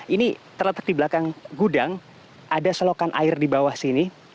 ini terletak di belakang gudang ada selokan air di bawah sini